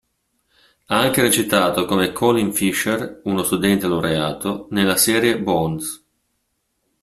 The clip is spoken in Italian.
Ha anche recitato come Colin Fisher, uno studente laureato, nella serie "Bones".